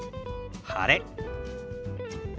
「晴れ」。